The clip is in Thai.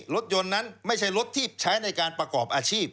รถยนต์นั้นไม่ใช่รถที่ใช้ในการประกอบอาชีพ